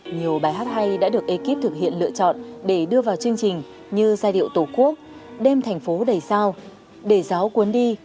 nhiều bài hát hay đã được ekip thực hiện lựa chọn để đưa vào chương trình như giai điệu tổ quốc đêm thành phố đầy sao để giáo cuốn đi